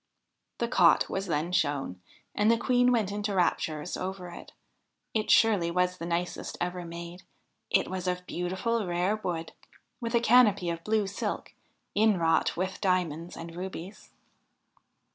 The cot was then shown, and the Queen went into raptures over it : it surely was the nicest ever made ; it was of beautiful, rare wood, with a canopy of blue silk, inwrought with diamonds and rubies.